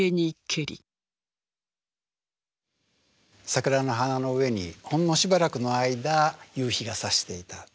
桜の花の上にほんのしばらくの間夕日がさしていた。